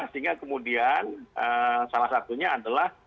sehingga kemudian salah satunya adalah